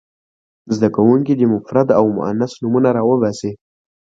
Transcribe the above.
زده کوونکي دې مفرد او مؤنث نومونه را وباسي.